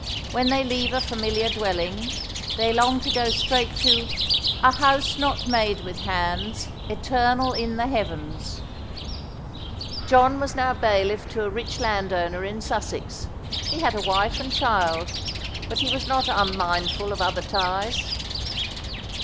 When they leave a familiar dwelling, they long to go straight to "a house not made with hands, eternal in the heavens." John was now bailiff to a rich landowner in Sussex. He had a wife and child; but he was not unmindful of other ties.